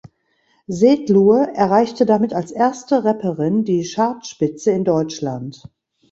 Setlur erreichte damit als erste Rapperin die Chartspitze in Deutschland.